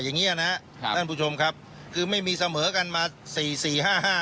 อย่างเงี้ยนะครับท่านผู้ชมครับคือไม่มีเสมอกันมาสี่สี่ห้าห้า